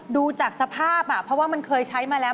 ดูจากสภาพเพราะว่ามันเคยใช้มาแล้ว